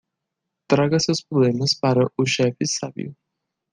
Traga seus problemas para o chefe sábio.